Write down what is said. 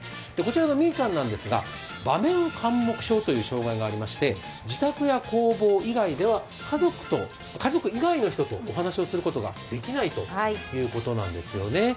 こちらのみいちゃんなんですが場面かん黙症という障害があり自宅や工房以外では家族以外の人とお話をすることができないということなんですよね。